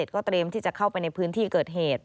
ก็เตรียมที่จะเข้าไปในพื้นที่เกิดเหตุ